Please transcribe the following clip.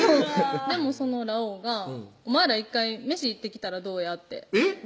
でもそのラオウが「お前ら１回飯行ってきたらどうや」ってえっ？